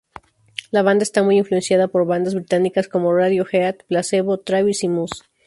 La banda está muy influenciada por bandas británicas como Radiohead, Placebo, Travis y Muse.